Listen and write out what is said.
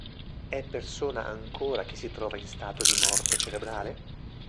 È persona ancora chi si trova in stato di morte cerebrale?